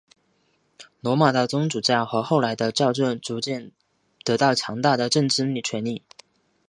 罗马的宗主教和后来的教宗逐渐得到强大的政治权力。